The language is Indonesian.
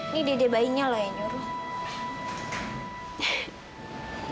ini dede bayinya loh yang nyuruh